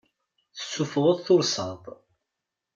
Tessuffɣeḍ tursaḍ.